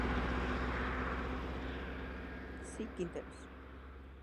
C. Quinteros.